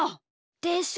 でしょ？